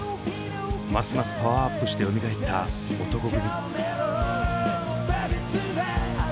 ますますパワーアップしてよみがえった男闘呼組。